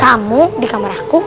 kamu di kamar aku